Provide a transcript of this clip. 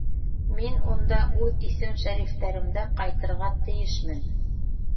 Мин унда үҙ исем-шәрифтәремдә ҡайтырға тейешмен.